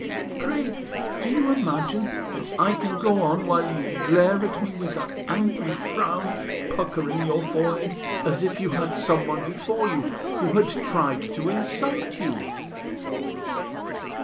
"Pray, do you imagine that I can go on while you glare at me with that angry frown puckering your forehead, as if you had someone before you who had tried to insult you?"